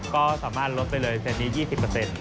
ก็สามารถลดไปเลยเซนนี้๒๐